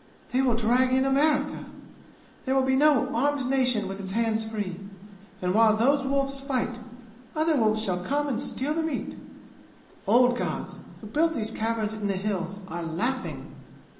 They will drag in America! There will be no armed nation with its hands free and while those wolves fight, other wolves shall come and steal the meat! The old gods, who built these caverns in the 'Hills,' are laughing!